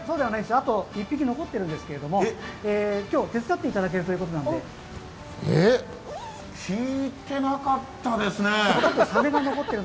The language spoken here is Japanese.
あと１匹残っているので今日、手伝っていただけるということなんでえっ聞いてなかったですね。